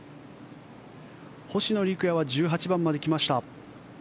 星野陸也は１８番まで来ました。